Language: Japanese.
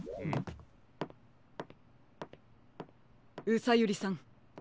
うさゆりさん。